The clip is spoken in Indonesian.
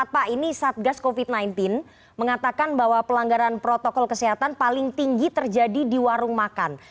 pak ini satgas covid sembilan belas mengatakan bahwa pelanggaran protokol kesehatan paling tinggi terjadi di warung makan